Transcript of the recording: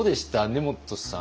根本さん。